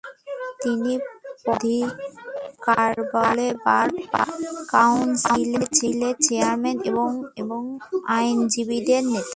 তিনি পদাধিকারবলে বার কাউন্সিলের চেয়ারম্যান এবং আইনজীবীদের নেতা।